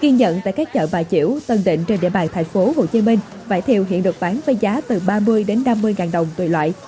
kiên nhận tại các chợ bà chiểu tân định trên địa bàn thành phố hồ chí minh vải thiêu hiện được bán với giá từ ba mươi năm mươi ngàn đồng tùy loại